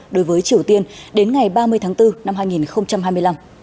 đối với triều tiên đến ngày ba mươi tháng bốn năm hai nghìn hai mươi năm